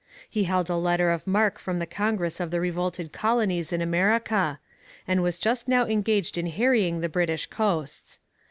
He held a letter of marque from the Congress of the revolted colonies in America, and was just now engaged in harrying the British coasts.